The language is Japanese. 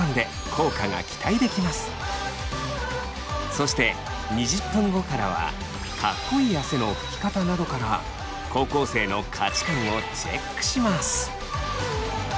そして２０分後からは「かっこいい」汗のふき方などから高校生の価値観をチェックします。